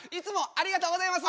ありがとうございます！